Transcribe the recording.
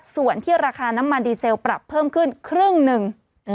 ส่วนที่ราคาน้ำมันดีเซลปรับเพิ่มขึ้นครึ่งหนึ่ง